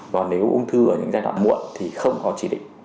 và nếu ung thư ở những giai đoạn muộn thì không có chỉ định